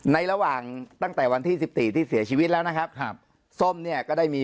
ในระหว่างตั้งแต่วันที่สิบสี่ที่เสียชีวิตแล้วนะครับครับส้มเนี่ยก็ได้มี